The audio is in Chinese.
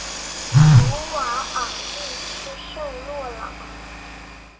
鲁瓦昂地区圣洛朗。